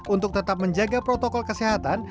untuk tetap menjaga protokol kesehatan